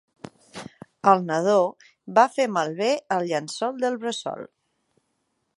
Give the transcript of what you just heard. El nadó va fer malbé el llençol de bressol.